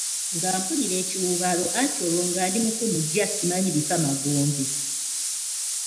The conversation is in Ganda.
Nga mpulira ekiwuubaalo anti olwo nga ndi mufu muggya simanyi bifa magombe.